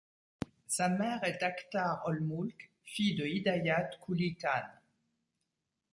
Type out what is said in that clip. Sa mère est Akhtar ol-Mulk, fille de Hidayat Quli Khan.